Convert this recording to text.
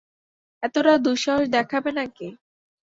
এতটা দুঃসাহস দেখাবে নাকি?